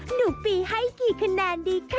ปีให้กี่คะแนนดีคะ